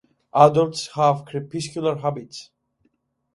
Adults have crepuscular habits.